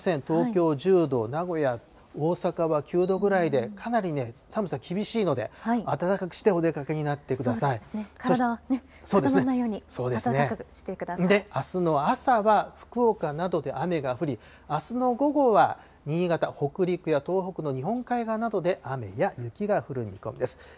東京１０度、名古屋、大阪は９度くらいで、かなり寒さ厳しいので、暖かくしてお出かけになってくだ体が固まらないように暖かくで、あすの朝は福岡などで雨が降り、あすの午後は新潟、北陸や東北の日本海側などで雨や雪が降る見込みです。